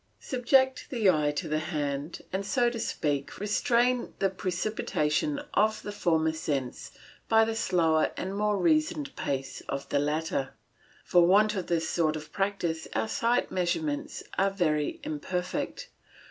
Subject the eye to the hand, and, so to speak, restrain the precipitation of the former sense by the slower and more reasoned pace of the latter. For want of this sort of practice our sight measurements are very imperfect.